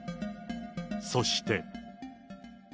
そして。